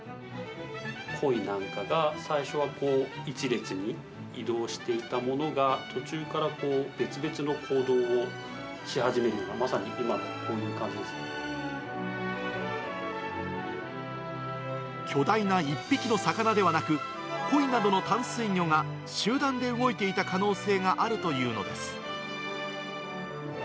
コイなんかが最初は１列に移動していたものが、途中から別々の行動をし始めるような、まさに今、こういう感じで巨大な１匹の魚ではなく、コイなどの淡水魚が、集団で動いていた可能性があるというのです。